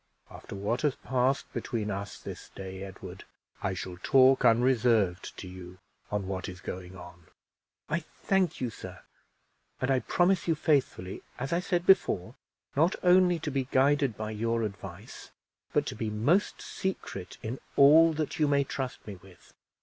After what has passed between us this day, Edward, I shall talk unreserved to you on what is going on." "I thank you, sir, and I promise you faithfully, as I said before, not only to be guided by your advice, but to be most secret in all that you may trust me with."